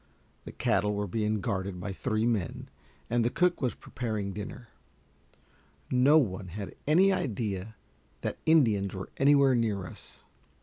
The cattle were being guarded by three men, and the cook was preparing dinner. No one had any idea that Indians were anywhere near us.